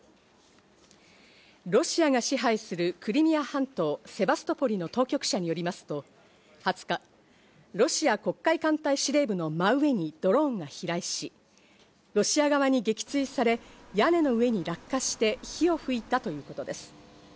ロシアが支配するクリミア半島セバストポリの当局者によりますと、２０日、ロシア黒海艦隊司令部の真上にドローンが飛来し、ロシア側に撃墜され、屋根の上に落下して火を噴いたということです。